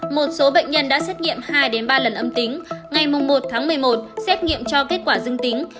một số bệnh nhân đã xét nghiệm hai ba lần âm tính ngày một tháng một mươi một xét nghiệm cho kết quả dương tính